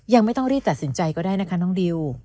ยังไม่ต้องรีบตัดสินใจก็ได้นะคะน้องดิว